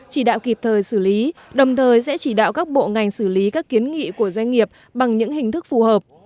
chỉ đạo kịp thời xử lý đồng thời sẽ chỉ đạo các bộ ngành xử lý các kiến nghị của doanh nghiệp bằng những hình thức phù hợp